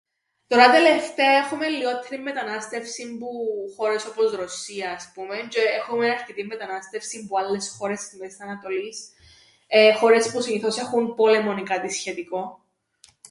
Τωρά τελευταία έχουμε λλιόττερην μετανάστευσην που χ΄ωρες όπως Ρωσσία ας πούμεν τζ̆αι έχουμεν αρκετήν μετανάστευσην που άλλες χώρες της Μέσης Ανατολ΄ης, εεε χώρες που συνήθως έχουν πόλεμον ή κάτι σχετικόν.